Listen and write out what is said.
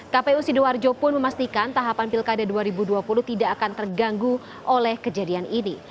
kpu sidoarjo pun memastikan tahapan pilkada dua ribu dua puluh tidak akan terganggu oleh kejadian ini